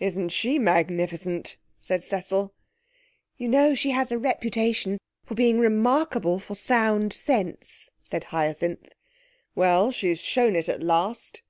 'Isn't she magnificent?' said Cecil. 'You know she has a reputation for being remarkable for sound sense,' said Hyacinth. 'Well, she's shown it at last!'